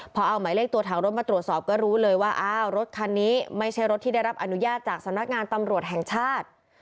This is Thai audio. พอเอาหมายเลขตัวถังรถมาตรวจสอบก็รู้เลยว่าอ้าวรถคันนี้ไม่ใช่รถที่ได้รับอนุญาตจากสำนักงานตำรวจแห่งชาติ